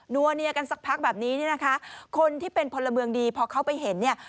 ัวเนียกันสักพักแบบนี้เนี่ยนะคะคนที่เป็นพลเมืองดีพอเขาไปเห็นเนี่ย